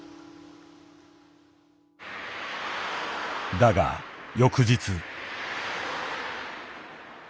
だが翌日。